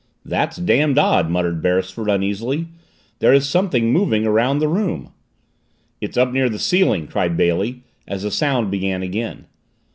"That's damned odd." muttered Beresford uneasily. "There is something moving around the room." "It's up near the ceiling!" cried Bailey as the sound began again.